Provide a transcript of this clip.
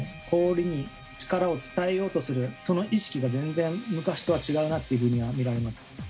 氷に力を伝えようとする、その意識が全然、昔とは違うなっていうふうには見られます。